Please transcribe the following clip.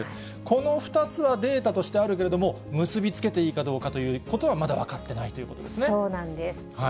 この２つはデータとしてあるけれども、結び付けていいかどうかということはまだ分かってないということそうなんです。